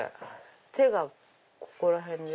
手がここら辺で。